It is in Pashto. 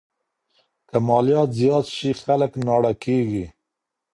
که مالیات زیات سي خلګ ناړه کیږي.